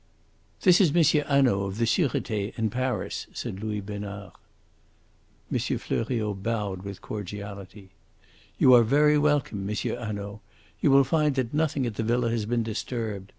"This is M. Hanaud, of the Surete in Paris," said Louis Besnard. M. Fleuriot bowed with cordiality. "You are very welcome, M. Hanaud. You will find that nothing at the villa has been disturbed.